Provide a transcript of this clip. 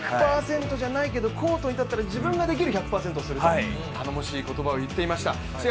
１００％じゃないけど、コートに立ったら自分ができる１００％をすると、頼もしい言葉を言っていました。